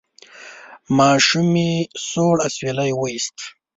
ماشومې سوړ اسویلی وایست: